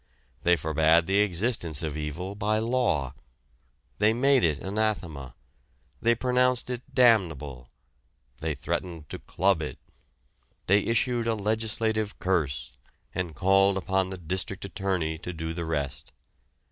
They forbade the existence of evil by law. They made it anathema. They pronounced it damnable. They threatened to club it. They issued a legislative curse, and called upon the district attorney to do the rest.